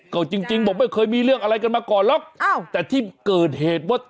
ก็จริงบอกไม่เคยมีเรื่องอะไรกันมาก่อนหรอกแต่ที่เกิดเหตุว่า